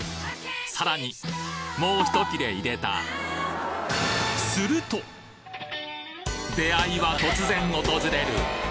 さらにもう１切れ入れた出会いは突然訪れる！